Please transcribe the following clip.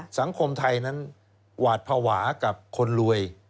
สังคมไทยนั้นหวาดภาวะกับคนรวย